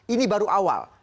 ini baru awal